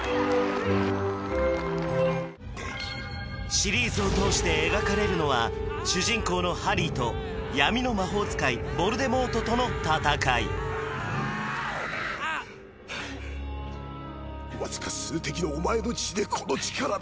シリーズを通して描かれるのは主人公のハリーと闇の魔法使いヴォルデモートとの戦いわずか数滴のお前の血でこの力だ